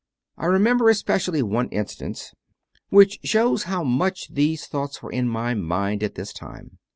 I remember especially one incident which shows how much these thoughts were in my mind at this time.